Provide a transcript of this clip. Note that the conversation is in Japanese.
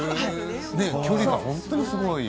距離が本当に近い。